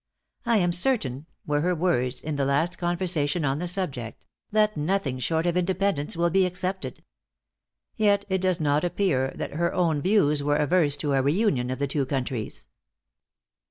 "I am certain," were her words in the last conversation on the subject "that nothing short of Independence will be accepted." Yet it does not appear that her own views were averse to a re union of the two countries.